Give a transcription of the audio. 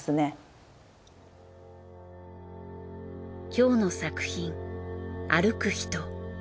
今日の作品『歩くひと』。